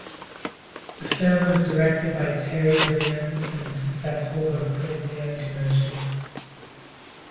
The film was directed by Terry Gilliam, and was successful both critically and commercially.